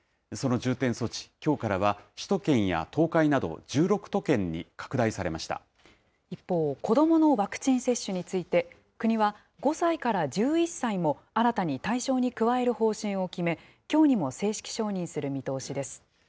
その重点措置、きょうからは首都圏や東海など１６都県に拡大され一方、子どものワクチン接種について、国は、５歳から１１歳も新たに対象に加える方針を決め、きょうにも正式承認する見通しです。